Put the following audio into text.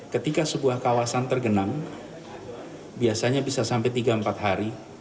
ketika sebuah kawasan tergenang biasanya bisa sampai tiga empat hari